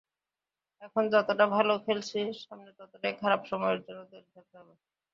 এখন যতটা ভালো খেলছি সামনে ততটাই খারাপ সময়ের জন্য তৈরি থাকতে হবে।